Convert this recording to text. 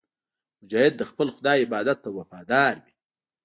مجاهد د خپل خدای عبادت ته وفادار وي.